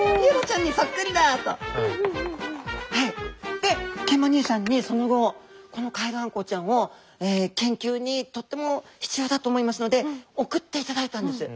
でケンマ兄さんにその後このカエルアンコウちゃんを研究にとっても必要だと思いますので送っていただいたんです。